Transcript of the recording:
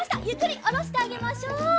ゆっくりおろしてあげましょう。